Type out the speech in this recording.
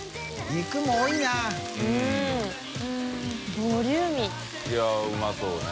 漾次いやうまそうね。